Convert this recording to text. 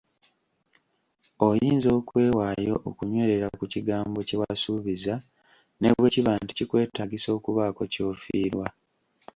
Oyinza okwewaayo okunywerera ku kigambo kye wasuubiza ne bwekiba nti kikwetaagisa okubaako ky'ofiirwa.